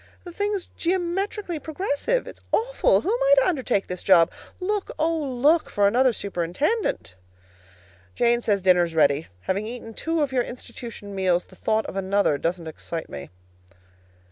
The thing's geometrically progressive. It's awful. Who am I to undertake this job? Look, oh, look for another superintendent! Jane says dinner's ready. Having eaten two of your institution meals, the thought of another doesn't excite me.